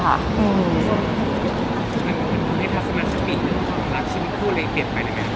เปลี่ยนไปหรือเปลี่ยน